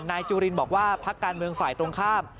นายจุรินบอกว่าพักการเมืองฝ่ายตรงข้าม